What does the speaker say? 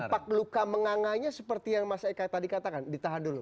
tampak luka menganganya seperti yang mas eka tadi katakan ditahan dulu